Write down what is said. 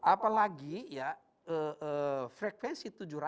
apalagi frekuensi tujuh ratus